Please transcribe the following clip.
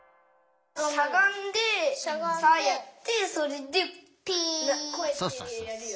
しゃがんでやってそれでこうやってやるよ。